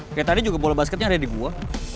kayak tadi juga bola basketnya ada di gua